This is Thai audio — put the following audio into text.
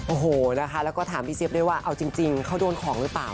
โอ้โหนะคะแล้วก็ถามพี่เจี๊ยบด้วยว่าเอาจริงเขาโดนของหรือเปล่า